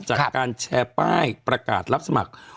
จากการแชร์ป้ายประกาศรับสมัคร